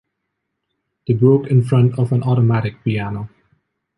They broke in front of an automatic piano.